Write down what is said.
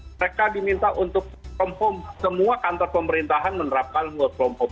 mereka diminta untuk semua kantor pemerintahan menerapkan word of mouth